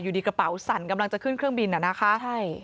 อยู่ดีกระเป๋าสั่นกำลังจะขึ้นเครื่องบินอ่ะนะคะใช่